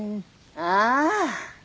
ああ。